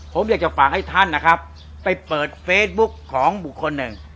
ผมอยากจะฝากให้ท่านนะครับไปเปิดเฟซบุ๊กของบุคคลหนึ่ง